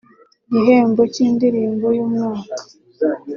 igihembo cy’indirimbo y’umwaka